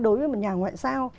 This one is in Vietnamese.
đối với một nhà ngoại giao